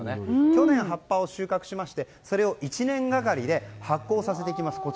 去年、葉っぱを収穫してそれを１年がかりで発酵させていきます。